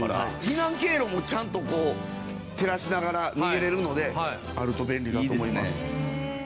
避難経路もちゃんと照らしながら逃げられるのであると便利だと思います。